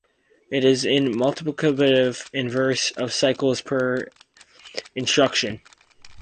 It is the multiplicative inverse of cycles per instruction.